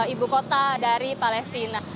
ibu kota dari palestina